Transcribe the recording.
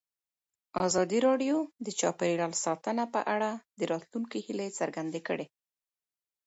ازادي راډیو د چاپیریال ساتنه په اړه د راتلونکي هیلې څرګندې کړې.